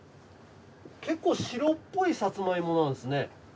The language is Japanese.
結構白っぽいさつま芋なんですね。